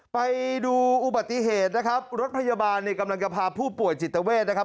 ไปดูอุบัติเหตุนะครับรถพยาบาลเนี่ยกำลังจะพาผู้ป่วยจิตเวทนะครับ